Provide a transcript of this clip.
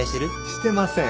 してません。